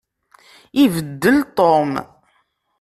Ibeddel Tom.